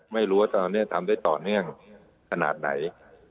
ไม่รู้ว่าตอนนี้ทำได้ต่อเนื่องขนาดไหน